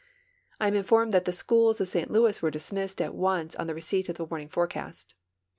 I am informed that the schools of St Louis were dismissed at once on the receipt of the warning forecast.